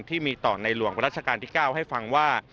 ที่มีต่อในหลวงรัชกาลที่๙ให้ฟังว่า